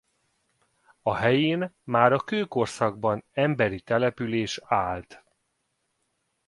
A helyén már a kőkorszakban emberi település állt.